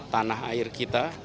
tanah air kita